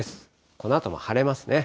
このあとも晴れますね。